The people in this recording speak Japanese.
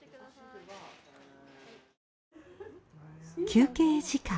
休憩時間。